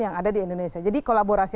yang ada di indonesia jadi kolaborasi